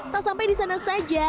tak sampai di sana saja